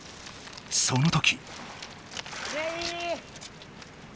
その時。